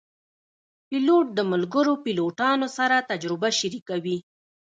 پیلوټ د ملګرو پیلوټانو سره تجربه شریکوي.